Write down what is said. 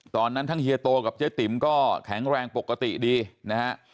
ทั้งเฮียโตกับเจ๊ติ๋มก็แข็งแรงปกติดีนะฮะ